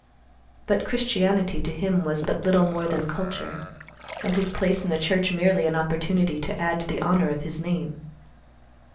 But Christianity to him was but little more than culture, and his place in the church merely an opportunity to add to the honor of his name.